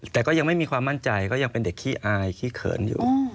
แต่ก็ยังไม่มีความมั่นใจก็ยังเป็นเด็กขี้อายขี้เขินอยู่